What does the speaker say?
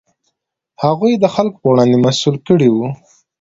هغوی یې د خلکو په وړاندې مسوول کړي وو.